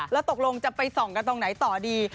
แล้วตกลงจะไปส่องกันตรงไหนต่อดี